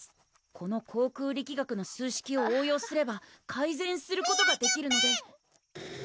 この航空力学の数式を応用すれば改善することがみらっじゅぺん！